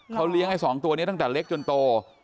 เขาเลี้ยงไอ้๒ตัวนี้ตั้งแต่เล็กจนโต